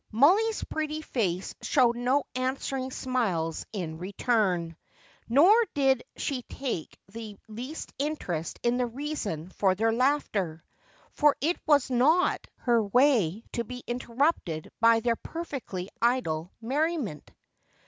Mollie's pretty face showed no answering smiles in return, nor did she take the least interest in the reason for their laughter. For it was not her way to be interrupted by their perfectly idle merriment.